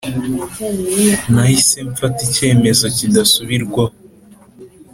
nahise mfata icyemezo kidasubirwaho.